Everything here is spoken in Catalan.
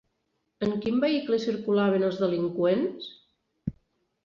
En quin vehicle circulaven els delinqüents?